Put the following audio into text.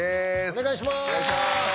お願いします